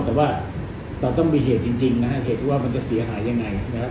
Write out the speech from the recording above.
แต่ว่าเราต้องมีเหตุจริงนะฮะเหตุว่ามันจะเสียหายยังไงนะครับ